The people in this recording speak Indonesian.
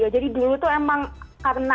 ya jadi dulu itu emang karena aku